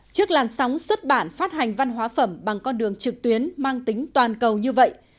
trước làn sóng xuất bản phát hành văn hóa phẩm bằng con đường trực tuyến mang tính toàn cầu như vậy